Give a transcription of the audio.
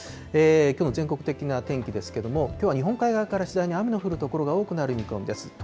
きょうの全国的な天気ですけれども、きょうは日本海側から次第に雨の降る所が多くなる見込みです。